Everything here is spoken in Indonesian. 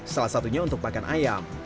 salah satunya untuk makan ayam